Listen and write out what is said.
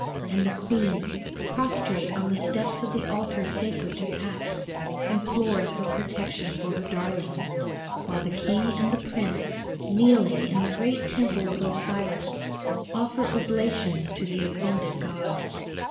And the queen, prostrate on the steps of the altar sacred to Pacht, implores her protection for her darling; while the king and the prince, kneeling in the great temple of Osiris, offer oblations to the offended god.